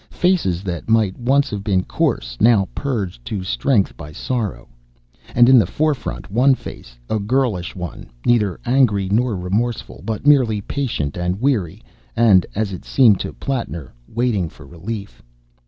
Faces that might once have been coarse, now purged to strength by sorrow! And in the forefront one face, a girlish one, neither angry nor remorseful, but merely patient and weary, and, as it seemed to Plattner, waiting for relief.